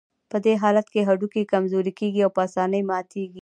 په دې حالت کې هډوکي کمزوري کېږي او په آسانۍ ماتېږي.